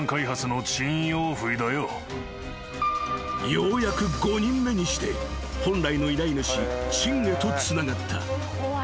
［ようやく５人目にして本来の依頼主チンへとつながった］